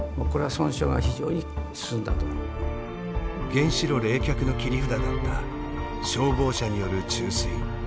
原子炉冷却の切り札だった消防車による注水。